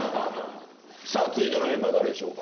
さあ続いてのメンバーは誰でしょうか？